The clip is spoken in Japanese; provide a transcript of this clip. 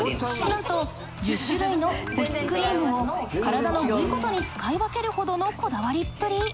なんと１０種類の保湿クリームを体の部位ごとに使い分けるほどのこだわりっぷり。